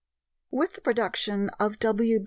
With the production of W.